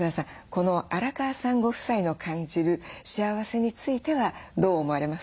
この荒川さんご夫妻の感じる幸せについてはどう思われますか？